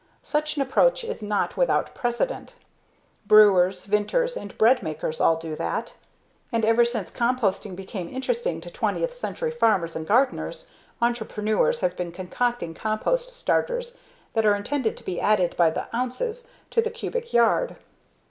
Such an approach is not without precedent. Brewers, vintners, and bread makers all do that. And ever since composting became interesting to twentieth century farmers and gardeners, entrepreneurs have been concocting compost starters that are intended to be added by the ounce(s) to the cubic yard.